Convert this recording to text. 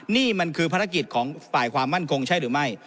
นี่มันคือภารกิจของฝ่ายความมั่นคงใช่หรือไม่